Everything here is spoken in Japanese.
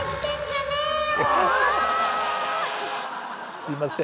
すいません。